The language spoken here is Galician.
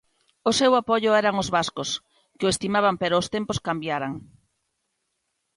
O seu apoio eran os vascos que o estimaban pero os tempos cambiaran.